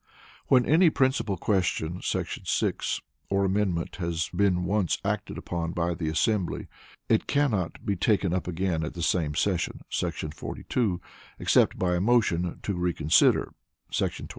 When any Principal Question [§ 6] or Amendment has been once acted upon by the assembly, it cannot be taken up again at the same session [§ 42] except by a motion to Reconsider [§ 27].